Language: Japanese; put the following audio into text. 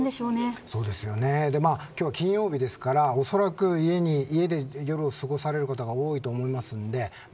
今日は金曜日ですからおそらく家で夜を過ごされる方が多いと思います。